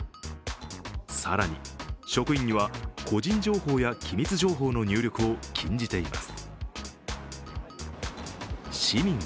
更に職員には個人情報や機密情報の入力を禁じています。